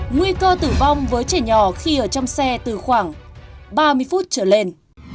nguy cơ tử vong với trẻ nhỏ khi ở trong xe từ khoảng ba mươi phút trở lên